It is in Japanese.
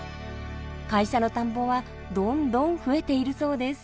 会社の田んぼはどんどん増えているそうです。